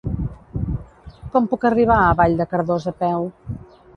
Com puc arribar a Vall de Cardós a peu?